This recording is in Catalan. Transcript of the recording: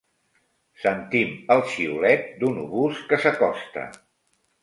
Sentim el xiulet d'un obús que s'acosta